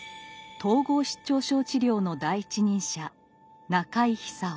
統合失調症治療の第一人者中井久夫。